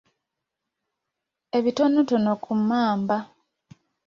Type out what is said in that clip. Ebitonotono ku mmamba.